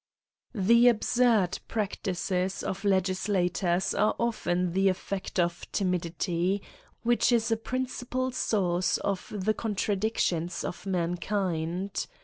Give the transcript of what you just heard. The absurd practices of legislators are often the effect of timidity, which is a principal source of the contradictions of mankind.